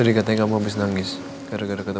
dia cuma marah aja me